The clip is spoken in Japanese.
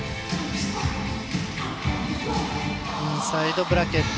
インサイドブラケット。